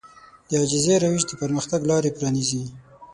د عاجزي روش د پرمختګ لارې پرانيزي.